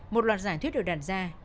một loạt giải thuyết được đặt ra